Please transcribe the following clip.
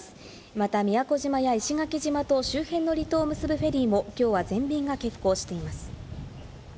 また宮古島や石垣島と周辺の離島を結ぶフェリーもきょうは全便が欠航しています。